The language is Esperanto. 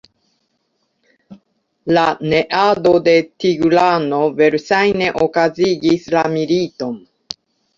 La neado de Tigrano verŝajne okazigis la militon.